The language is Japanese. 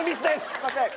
すみません。